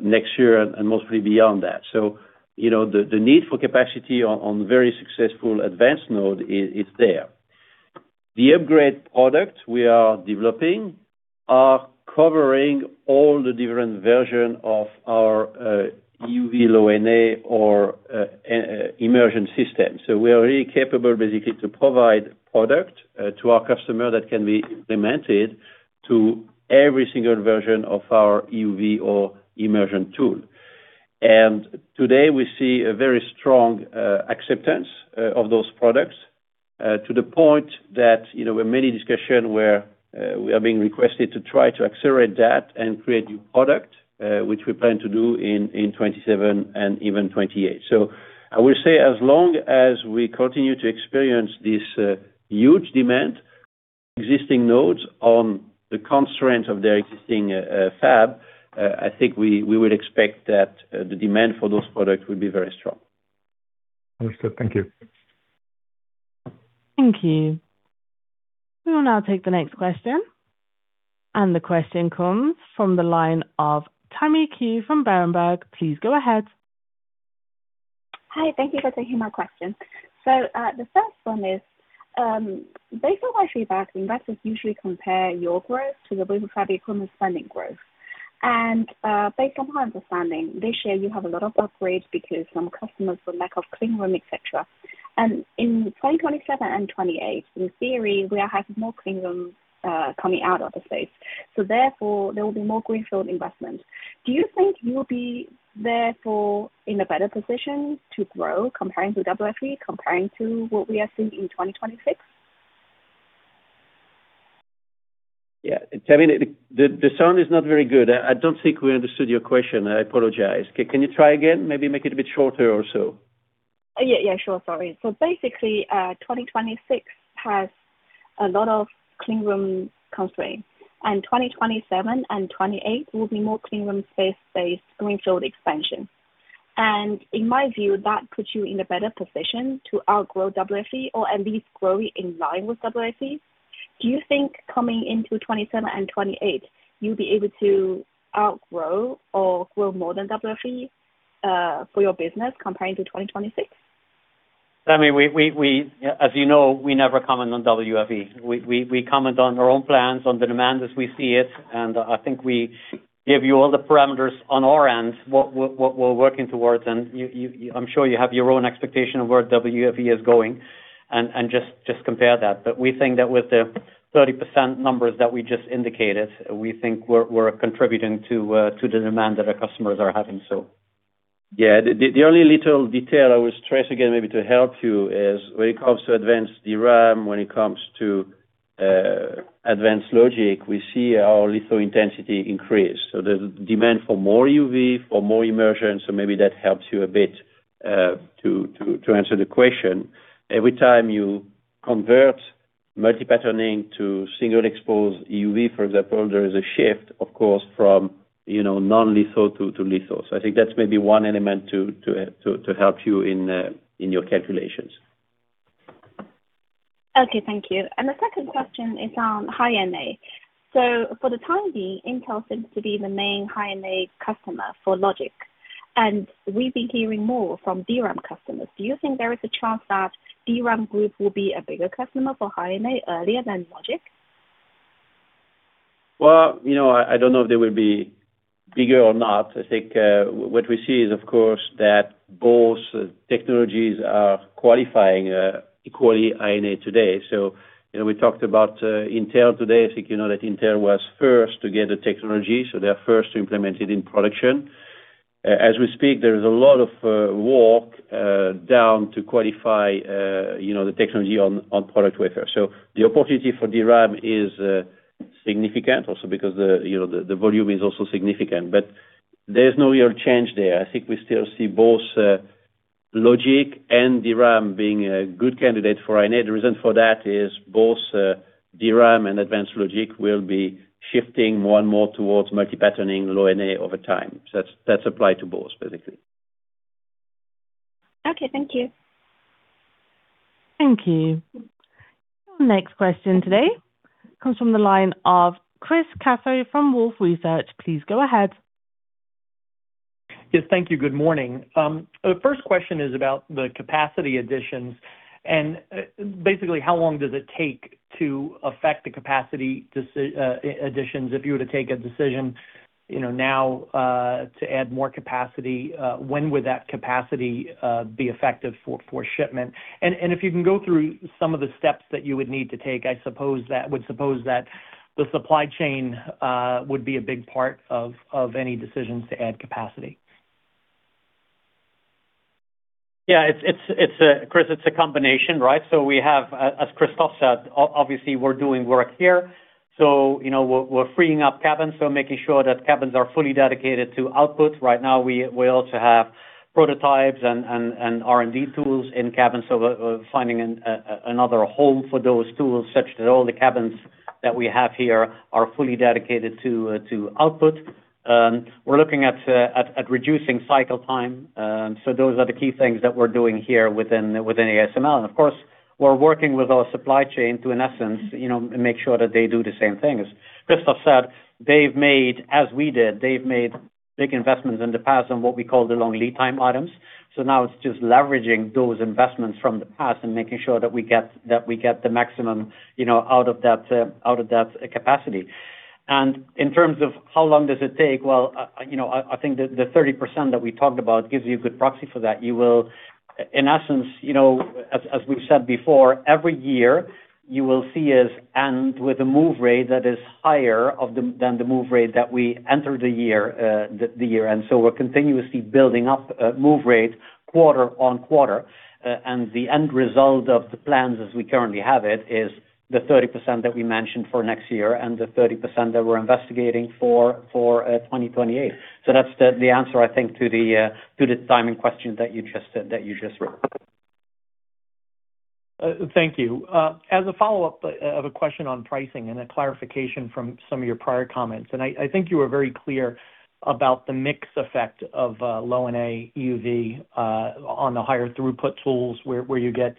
next year and mostly beyond that. The need for capacity on very successful advanced node is there. The upgrade product we are developing are covering all the different version of our EUV Low-NA or immersion system. We are really capable, basically, to provide product to our customer that can be implemented to every single version of our EUV or immersion tool. Today, we see a very strong acceptance of those products, to the point that we have many discussion where we are being requested to try to accelerate that and create new product, which we plan to do in 2027 and even 2028. I will say as long as we continue to experience this huge demand, existing nodes on the constraint of their existing fab, I think we will expect that the demand for those products will be very strong. Understood. Thank you. Thank you. We will now take the next question. The question comes from the line of Tammy Qiu from Berenberg. Please go ahead. Hi. Thank you for taking my question. The first one is, based on what I read about, investors usually compare your growth to the global fab equipment spending growth. Based on my understanding, this year you have a lot of upgrades because some customers, for lack of clean room, et cetera. In 2027 and 2028, in theory, we are having more clean rooms coming out of the space. Therefore, there will be more greenfield investment. Do you think you'll be therefore in a better position to grow comparing to WFE, comparing to what we are seeing in 2026? Tammy, the sound is not very good. I don't think we understood your question. I apologize. Can you try again? Maybe make it a bit shorter or so. Basically, 2026 has a lot of clean room constraint. 2027 and 2028 will be more clean room space-based greenfield expansion. In my view, that puts you in a better position to outgrow WFE or at least grow in line with WFE. Do you think coming into 2027 and 2028, you'll be able to outgrow or grow more than WFE, for your business comparing to 2026? Tammy, as you know, we never comment on WFE. We comment on our own plans, on the demand as we see it. I think we give you all the parameters on our end, what we're working towards. I'm sure you have your own expectation of where WFE is going and just compare that. We think that with the 30% numbers that we just indicated, we think we're contributing to the demand that our customers are having. The only little detail I will stress again maybe to help you is when it comes to advanced DRAM, when it comes to advanced logic, we see our litho intensity increase. There's demand for more UV, for more immersion. Maybe that helps you a bit, to answer the question. Every time you convert multi-patterning to single expose EUV, for example, there is a shift, of course, from non-litho to litho. I think that's maybe one element to help you in your calculations. Okay. Thank you. The second question is on High-NA. For the time being, Intel seems to be the main High-NA customer for Logic, and we've been hearing more from DRAM customers. Do you think there is a chance that DRAM group will be a bigger customer for High-NA earlier than Logic? Well, I don't know if they will be bigger or not. I think what we see is, of course, that both technologies are qualifying equally High-NA today. We talked about Intel today. I think you know that Intel was first to get the technology, they are first to implement it in production. As we speak, there is a lot of work down to qualify the technology on product wafer. The opportunity for DRAM is significant also because the volume is also significant, but there's no real change there. I think we still see both Logic and DRAM being a good candidate for High-NA. The reason for that is both DRAM and advanced Logic will be shifting more and more towards multi-patterning Low-NA over time. That apply to both, basically. Okay. Thank you. Thank you. Our next question today comes from the line of Chris Caso from Wolfe Research. Please go ahead. Yes. Thank you. Good morning. The first question is about the capacity additions. Basically, how long does it take to affect the capacity additions? If you were to take a decision now to add more capacity, when would that capacity be effective for shipment? If you can go through some of the steps that you would need to take, I would suppose that the supply chain would be a big part of any decisions to add capacity. Yeah. Chris, it's a combination, right? As Christophe said, obviously we're doing work here. We're freeing up cabins, so making sure that cabins are fully dedicated to output. Right now, we also have prototypes and R&D tools in cabins. We're finding another home for those tools, such that all the cabins that we have here are fully dedicated to output. We're looking at reducing cycle time. Those are the key things that we're doing here within ASML. Of course, we're working with our supply chain to, in essence, make sure that they do the same things. Christophe said, as we did, they've made big investments in the past on what we call the long lead time items. Now it's just leveraging those investments from the past and making sure that we get the maximum out of that capacity. In terms of how long does it take, well, I think the 30% that we talked about gives you a good proxy for that. In essence, as we've said before, every year you will see us end with a move rate that is higher than the move rate that we entered the year. We're continuously building up move rates quarter on quarter. The end result of the plans as we currently have it is the 30% that we mentioned for next year and the 30% that we're investigating for 2028. That's the answer, I think, to the timing question that you just said. Thank you. As a follow-up of a question on pricing and a clarification from some of your prior comments. I think you were very clear about the mix effect of Low-NA EUV on the higher throughput tools, where you get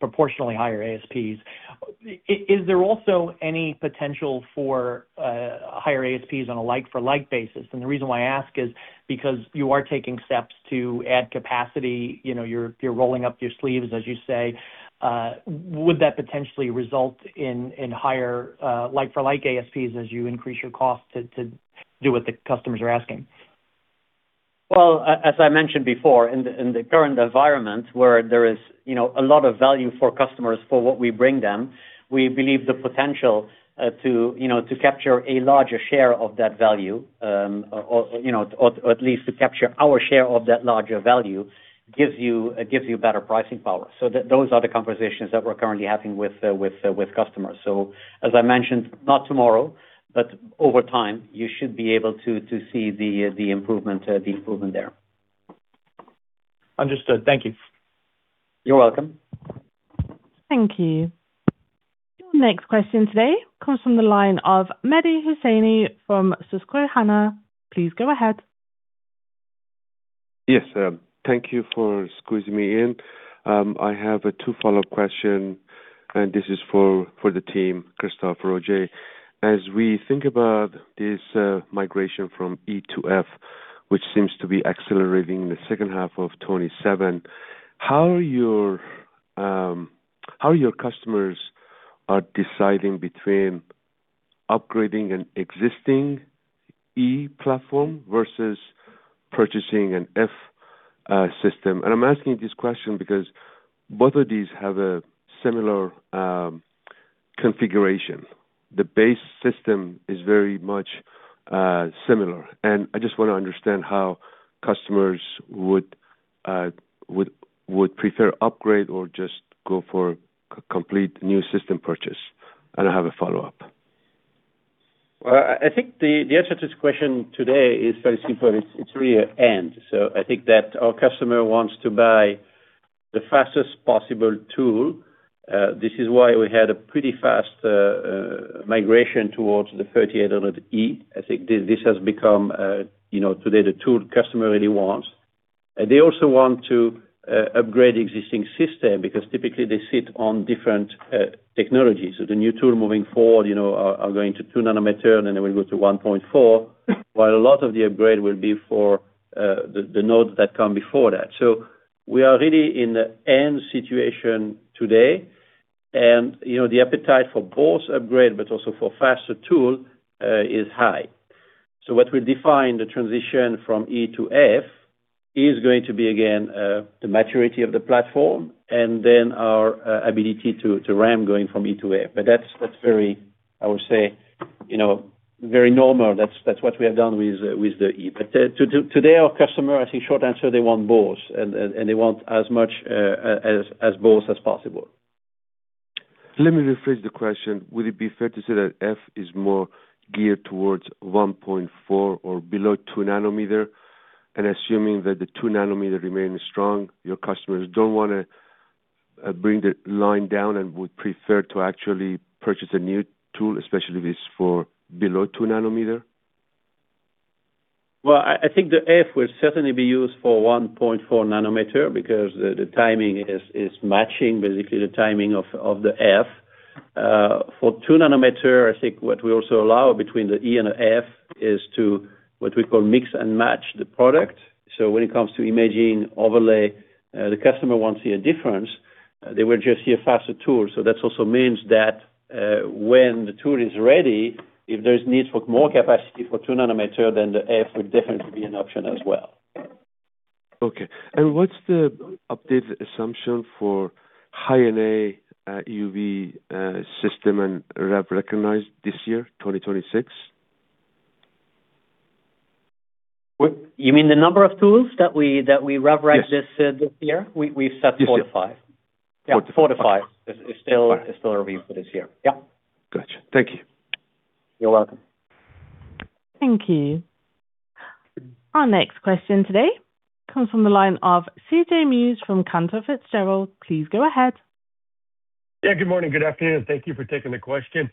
proportionally higher ASPs. Is there also any potential for higher ASPs on a like-for-like basis? The reason why I ask is because you are taking steps to add capacity. You're rolling up your sleeves, as you say. Would that potentially result in higher like-for-like ASPs as you increase your cost to do what the customers are asking? Well, as I mentioned before, in the current environment where there is a lot of value for customers for what we bring them, we believe the potential to capture a larger share of that value, or at least to capture our share of that larger value, gives you better pricing power. Those are the conversations that we're currently having with customers. As I mentioned, not tomorrow, but over time, you should be able to see the improvement there. Understood. Thank you. You're welcome. Thank you. Your next question today comes from the line of Mehdi Hosseini from Susquehanna. Please go ahead. Yes. Thank you for squeezing me in. I have two follow-up question, and this is for the team, Christophe, Roger. As we think about this migration from E to F, which seems to be accelerating in the second half of 2027, how your customers are deciding between upgrading an existing E platform versus purchasing an F system? I'm asking this question because both of these have a similar configuration. The base system is very much similar, I just want to understand how customers would prefer upgrade or just go for complete new system purchase. I have a follow-up. Well, I think the answer to this question today is very simple. It's really and. I think that our customer wants to buy the fastest possible tool. This is why we had a pretty fast migration towards the 3800E. I think this has become today the tool customer really wants. They also want to upgrade existing system because typically they sit on different technologies. The new tool moving forward are going to 2 nm, and then we'll go to 1.4 nm. While a lot of the upgrade will be for the nodes that come before that. We are really in the and situation today. The appetite for both upgrade but also for faster tool is high. What will define the transition from E to F is going to be again, the maturity of the platform, and then our ability to RAM going from E to F. That's very, I would say, very normal. That's what we have done with the E. Today, our customer, I think short answer, they want both, and they want as much as both as possible. Let me rephrase the question. Would it be fair to say that F is more geared towards 1.4 nm or below 2 nm? Assuming that the 2 nm remains strong, your customers don't want to bring the line down and would prefer to actually purchase a new tool, especially if it's for below 2 nm? Well, I think the F will certainly be used for 1.4 nm because the timing is matching basically the timing of the F. For 2 nm, I think what we also allow between the E and the F is to, what we call, mix and match the product. When it comes to imaging overlay, the customer won't see a difference. They will just see a faster tool. That also means that when the tool is ready, if there's need for more capacity for 2 nm, then the F would definitely be an option as well. Okay. What's the updated assumption for High-NA EUV system and rev recognized this year, 2026? You mean the number of tools that we rev rec this year? Yes. We've set four to five. Four to five. Yeah, four to five is still our view for this year. Yep. Got you. Thank you. You're welcome. Thank you. Our next question today comes from the line of CJ Muse from Cantor Fitzgerald. Please go ahead. Good morning. Good afternoon. Thank you for taking the question.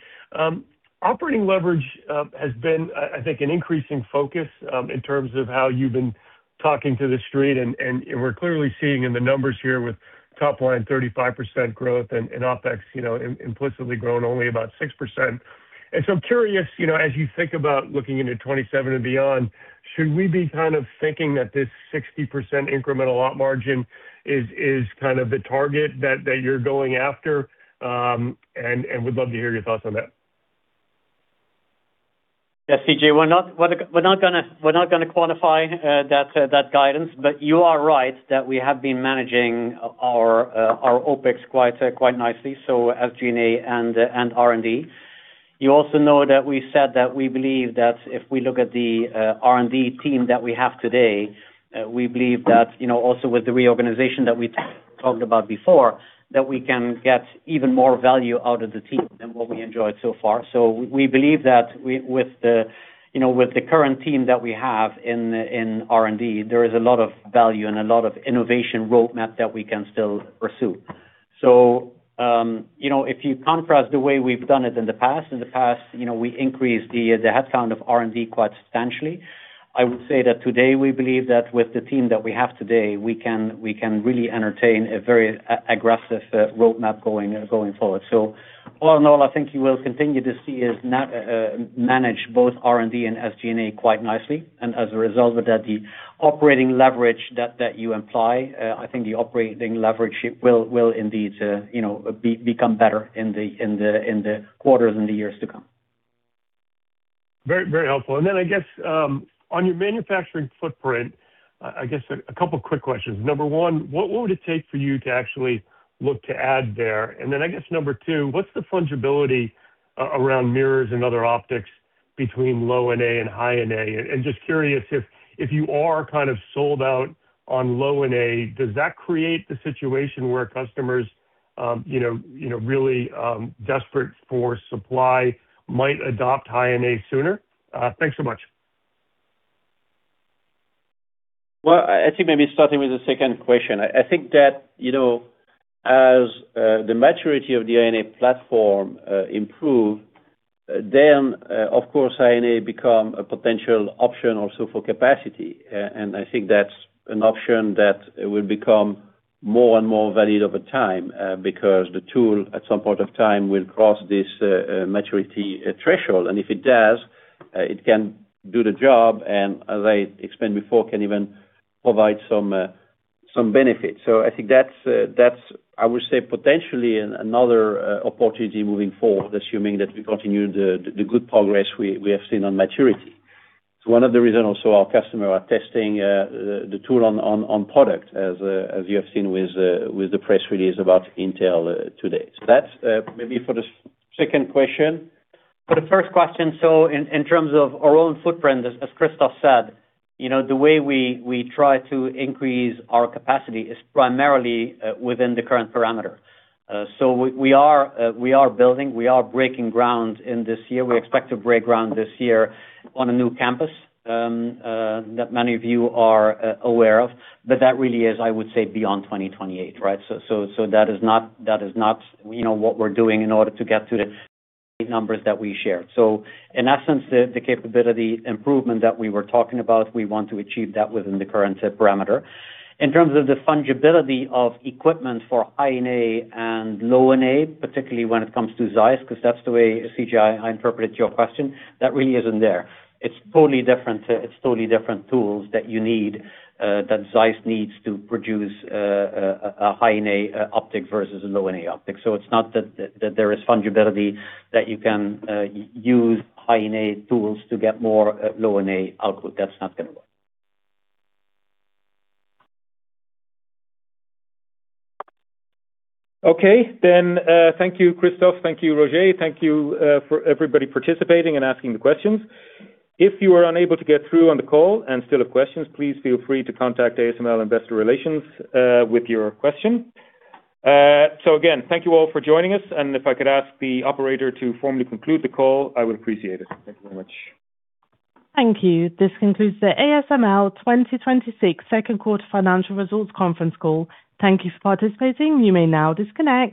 Operating leverage has been, I think, an increasing focus in terms of how you've been talking to the street. We're clearly seeing in the numbers here with top line 35% growth and OpEx implicitly grown only about 6%. I'm curious, as you think about looking into 2027 and beyond, should we be thinking that this 60% incremental op margin is the target that you're going after? Would love to hear your thoughts on that. Yes, CJ, we're not going to quantify that guidance. You are right that we have been managing our OpEx quite nicely, so SG&A and R&D. You also know that we said that we believe that if we look at the R&D team that we have today, we believe that, also with the reorganization that we talked about before, that we can get even more value out of the team than what we enjoyed so far. If you contrast the way we've done it in the past, in the past we increased the headcount of R&D quite substantially. I would say that today we believe that with the team that we have today, we can really entertain a very aggressive roadmap going forward. All in all, I think you will continue to see us manage both R&D and SG&A quite nicely. As a result of that, the operating leverage that you imply, I think the operating leverage will indeed become better in the quarters and the years to come. Very helpful. Then I guess, on your manufacturing footprint, I guess a couple quick questions. Number one, what would it take for you to actually look to add there? Then I guess number two, what's the fungibility around mirrors and other optics between Low-NA and High-NA? Just curious if you are sold out on Low-NA, does that create the situation where customers really desperate for supply might adopt High-NA sooner? Thanks so much. Well, I think maybe starting with the second question. I think that as the maturity of the NA platform improve, then of course High-NA become a potential option also for capacity. I think that's an option that will become more and more valid over time, because the tool at some point of time will cross this maturity threshold. If it does, it can do the job and as I explained before, can even provide some benefit. I think that's, I would say, potentially another opportunity moving forward, assuming that we continue the good progress we have seen on maturity. It's one of the reasons also our customer are testing the tool on product, as you have seen with the press release about Intel today. That's maybe for the second question. For the first question, in terms of our own footprint, as Christophe said, the way we try to increase our capacity is primarily within the current parameter. We are building, we are breaking ground in this year. We expect to break ground this year on a new campus that many of you are aware of. That really is, I would say, beyond 2028, right? That is not what we're doing in order to get to the numbers that we shared. In essence, the capability improvement that we were talking about, we want to achieve that within the current parameter. In terms of the fungibility of equipment for High-NA and Low-NA, particularly when it comes to ZEISS, because that's the way, CJ, I interpret your question, that really isn't there. It's totally different tools that ZEISS needs to produce a High-NA optic versus a Low-NA optic. It's not that there is fungibility that you can use High-NA tools to get more Low-NA output. That's not going to work. Okay. Thank you, Christophe. Thank you, Roger. Thank you for everybody participating and asking the questions. If you are unable to get through on the call and still have questions, please feel free to contact ASML investor relations with your question. Again, thank you all for joining us. If I could ask the operator to formally conclude the call, I would appreciate it. Thank you very much. Thank you. This concludes the ASML 2026 second quarter financial results conference call. Thank you for participating. You may now disconnect.